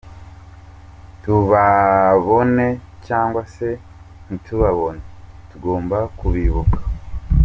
Tubabone cyangwa se ntitubabone, tugomba kubibuka.